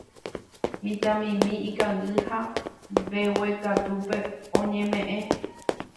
Mitãmimi ikangy ha mbeguekatúpe oñemeʼẽ.